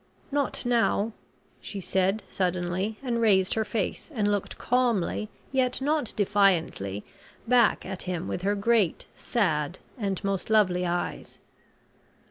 "Not now," she said, suddenly, and raised her face and looked calmly, yet not defiantly, back at him with her great, sad, and most lovely eyes.